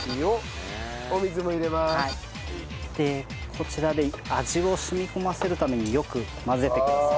こちらで味を染み込ませるためによく混ぜてください。